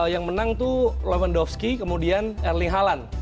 yang menang tuh lewandowski kemudian erling haalan